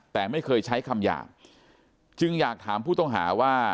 แต่ไม่เคยใช้คำหยาบจึงอยากถามผู้ต้องหาว่า